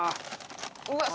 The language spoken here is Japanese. うわっ！